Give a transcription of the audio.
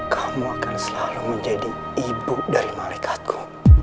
kamu akan selalu menjadi ibu dari malaikatku